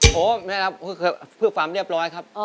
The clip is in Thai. โฮแม่ครับพื้นฟังเรียบร้อยครับ